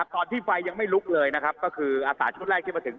ตอนที่ไฟยังไม่ลุกเลยคืออศาลชุดแรกคิดมาถึง